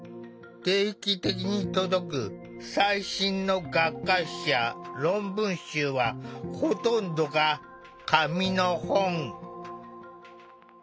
定期的に届く最新の学会誌や論文集はほとんどが「紙の本」。